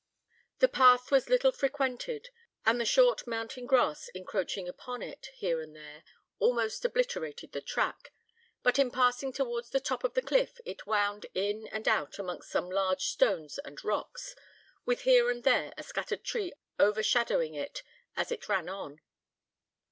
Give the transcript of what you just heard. The path was little frequented, and the short mountain grass encroaching upon it here and there, almost obliterated the track, but in passing towards the top of the cliff it wound in and out amongst some large stones and rocks, with here and there a scattered tree overshadowing it as it ran on.